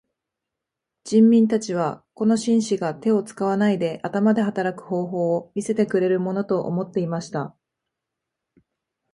人民たちはこの紳士が手を使わないで頭で働く方法を見せてくれるものと思っていました。